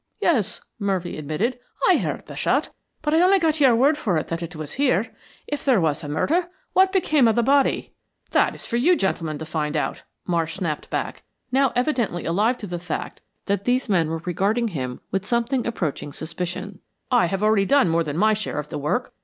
"Yes," Murphy admitted. "I heard the shot, but I only got your word for it that it was here. If there was a murder, what became of the body?" "That is for you gentlemen to find out," Marsh snapped back, now evidently alive to the fact that these men were regarding him with something approaching suspicion. "I have already done more than my share of the work.